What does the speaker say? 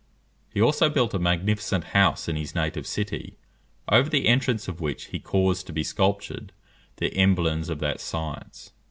He also built a magnificent house in his native city, over the entrance of which he caused to be sculptured the emblems of that science.